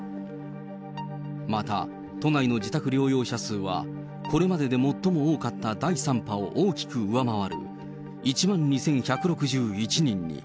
また、都内の自宅療養者数はこれまでで最も多かった第３波を大きく上回る１万２１６１人に。